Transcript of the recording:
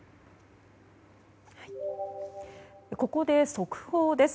ここで速報です。